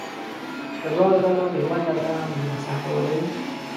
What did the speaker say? له دواړو ډلو په یوه اندازه مسافه ولري.